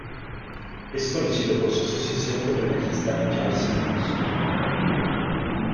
Es conocido por su asociación con el bajista Charles Mingus.